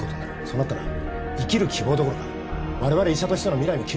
そうなったら生きる希望どころか我々医者としての未来も消えちまうぞ。